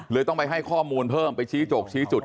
ต้องไปให้ข้อมูลเพิ่มไปชี้จกชี้จุด